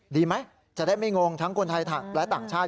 ดีไหมจะได้ไม่งงทั้งคนไทยและต่างชาติ